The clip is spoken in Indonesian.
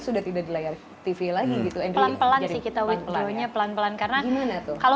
masih tidak di layar tv lagi gitu yang pelan pelan kita wikilearnya pelan pelan karena gimana tuh kalau